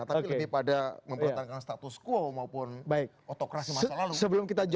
tapi lebih pada mempertahankan status quo maupun otokrasi masa lalu